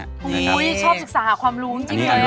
อุ้ยชอบศึกษาความรู้จริง